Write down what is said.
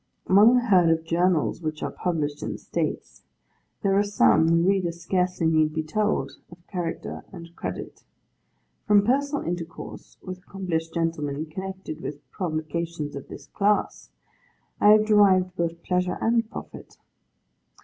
Among the herd of journals which are published in the States, there are some, the reader scarcely need be told, of character and credit. From personal intercourse with accomplished gentlemen connected with publications of this class, I have derived both pleasure and profit.